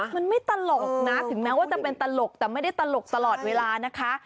มันไม่ตลกนะถึงแม้ว่าจะเป็นตลกแต่ไม่ได้ตลกตลอดเวลานะคะ